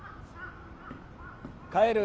帰る。